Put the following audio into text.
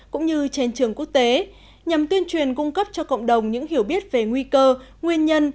cũng như trên trường quốc tế nhằm tuyên truyền cung cấp cho cộng đồng những hiểu biết về nguy cơ nguyên nhân